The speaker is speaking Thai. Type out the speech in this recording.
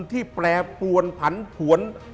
ที่แปรปวนผันหวน